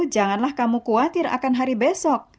janganlah kamu khawatir akan hari besok